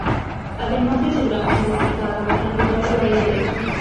Además de su gran fanaticada alrededor de la India del sur.